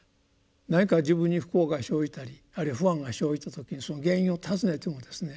何か自分に不幸が生じたりあるいは不安が生じた時にその原因をたずねてもですね